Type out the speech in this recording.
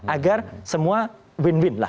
agar semua win win